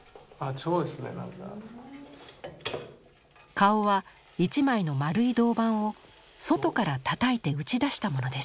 顔は一枚のまるい銅板を外からたたいて打ち出したものです。